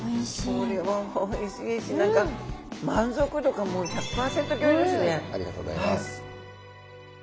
これはおいしいし何かありがとうございます。